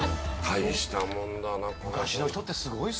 大したもんだな。